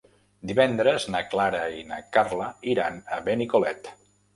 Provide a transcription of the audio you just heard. Divendres na Clara i na Carla iran a Benicolet.